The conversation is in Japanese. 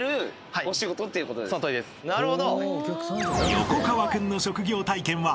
［横川君の職業体験は］